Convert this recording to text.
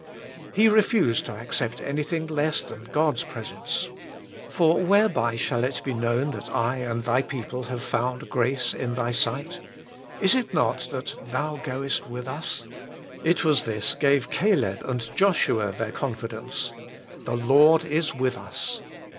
He refused to accept anything less than God s presence. " For whereby shall it be known that I and Thy people have found grace in Thy sight ? Is it not that Thou goest with m ?" It was this gave Caleb and Joshua their confidence : The Lord is with us.